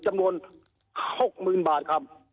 จำนวน๖๐๐๐บาทครับ